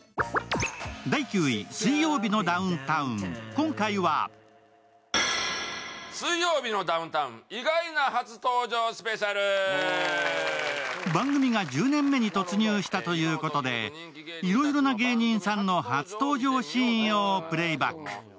今回は番組が１０年目に突入したということでいろいろな芸人さんの初登場シーンをプレーバック。